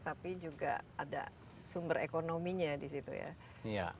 tapi juga ada sumber ekonominya di situ ya